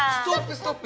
ストップ！